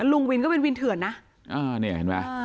ลุงวินก็เป็นวินเถื่อนนะ